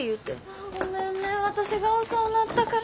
あごめんね私が遅うなったから。